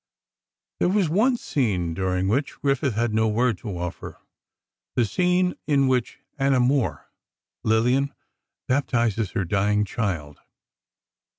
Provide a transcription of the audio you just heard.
There was one scene during which Griffith had no word to offer—the scene in which Anna Moore (Lillian) baptizes her dying child.